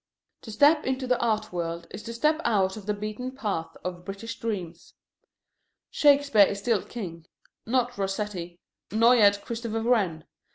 To step into the Art world is to step out of the beaten path of British dreams. Shakespeare is still king, not Rossetti, nor yet Christopher Wren.